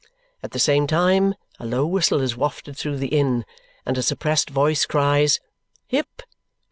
At the same time, a low whistle is wafted through the Inn and a suppressed voice cries, "Hip!